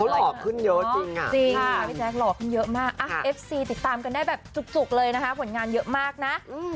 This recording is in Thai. หล่อขึ้นเยอะจริงพี่แจ๊คหล่อขึ้นเยอะมากเอฟซีติดตามกันได้แบบจุกเลยนะคะผลงานเยอะมากนะ